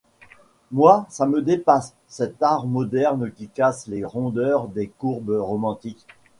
Moi, ça me dépasse, cet art moderne qui casse les rondeurs des courbes romantiques.